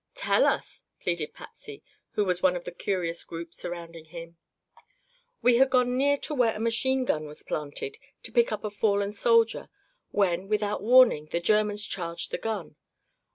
"Tell us," pleaded Patsy, who was one of the curious group surrounding him. "We had gone near to where a machine gun was planted, to pick up a fallen soldier, when without warning the Germans charged the gun.